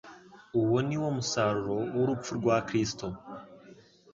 Uwo ni wo musaruro w'urupfu rwa Kristo.